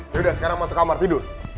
sudah sekarang masuk kamar tidur